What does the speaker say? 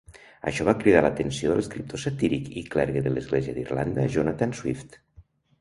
Això va cridar l'atenció de l'escriptor satíric i clergue de l'Església d'Irlanda Jonathan Swift.